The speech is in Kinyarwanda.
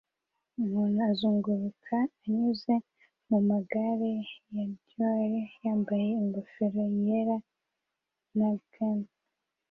Umuntu azunguruka anyuze mumagare ya diry yambaye ingofero yera na gants